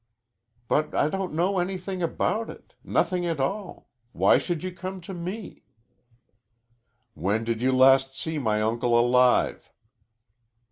"But I don't know anything about it nothing at all. Why should you come to me?" "When did you last see my uncle alive?"